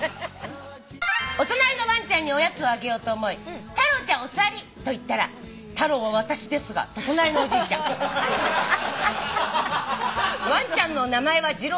「お隣のワンちゃんにおやつをあげようと思い『タロウちゃんお座り』と言ったら『タロウは私ですが』と隣のおじいちゃん」「ワンちゃんの名前はジロウでした」